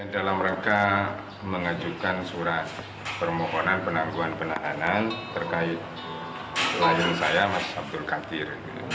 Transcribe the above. dalam rangka mengajukan surat permohonan penangguhan penahanan terkait klien saya mas abdul qadir